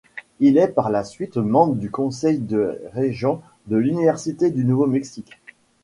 Il est par la suite membre du conseil des régents de l’université du Nouveau-Mexique.